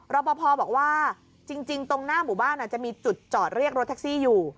รอปภบอกว่าจริงตรงหน้าหมู่บ้านจะมีจุดจอดเรียกรถแท็กซี่อยู่